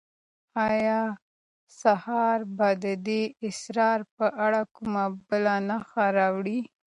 آیا سهار به د دې اسرار په اړه کومه بله نښه راوړي؟